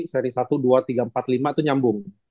seri satu dua tiga empat lima itu nyambung